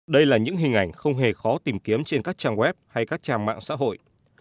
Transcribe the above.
đây là những hình ảnh không hề khó tìm kiếm trên các trang web hay các trang mạng xã hội